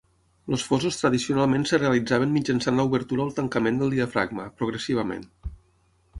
Els fosos tradicionalment es realitzaven mitjançant l'obertura o el tancament del diafragma, progressivament.